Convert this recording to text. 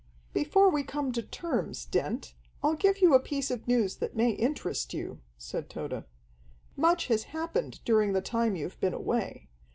"Before we come to terms, Dent, I'll give you a piece of news that may interest you," said Tode. "Much has happened during the time you've been away.